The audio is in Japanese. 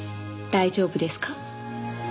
大丈夫です。